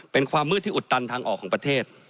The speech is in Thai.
เป็นความมืดที่อุดตันทางออกของประเทศ